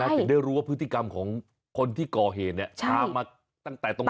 นะเนี่ยเพื่อนเดิร์รับรู้ว่าพฤติกรรมของคนที่ก่อเหนี่ตามมาตั้งแต่ตรงนั้น